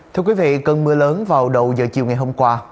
thưa quý vị cơn mưa lớn vào đầu giờ chiều ngày hôm qua